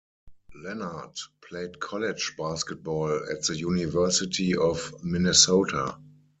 Lenard played college basketball at the University of Minnesota.